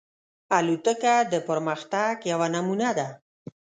الوتکه د پرمختګ یوه نمونه ده.